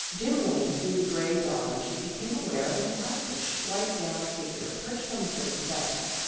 Dimly through the grey dawn she became aware of an elfish, white gowned figure perched on the foot of the bed.